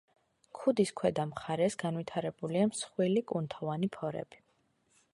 ქუდის ქვედა მხარეს განვითარებულია მსხვილი, კუნთოვანი ფორები.